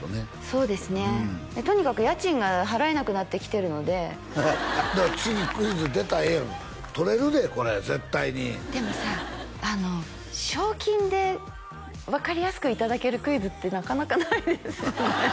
そうですねとにかく家賃が払えなくなってきてるのでだから次クイズ出たらええやん取れるでこれ絶対にでもさ賞金で分かりやすくいただけるクイズってなかなかないですよね